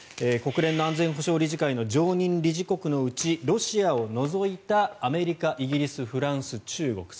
国連の安全保障理事会の常任理事国のうちロシアを除いたアメリカ、イギリスフランス、中国